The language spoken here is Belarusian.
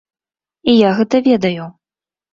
І я гэта ведаю.